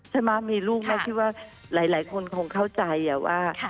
ใช่ไหมมีลูกแม่คิดว่าหลายคนคงเข้าใจว่า